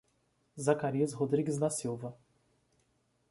Zacarias Rodrigues da Silva